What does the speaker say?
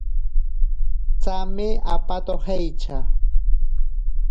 Tsame apatojeitya.